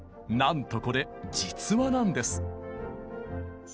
なんとこれ実話なんです。